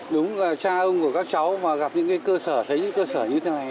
đúng là cha ông của các cháu mà gặp những cơ sở thấy những cơ sở như thế này